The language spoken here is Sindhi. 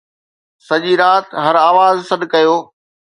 سڄي رات هر آواز سڏ ڪيو